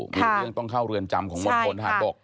มีเรื่องต้องเข้าเรือนจำของมณฑลทหารบก